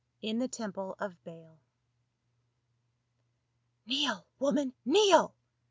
IN THE TEMPLE OF BAAL. " "jy^NEEL, woman, kneel!"